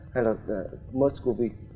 hay là mers covid